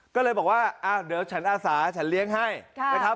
ก็เลยบอกว่าเดี๋ยวฉันอาสาฉันเลี้ยงให้นะครับ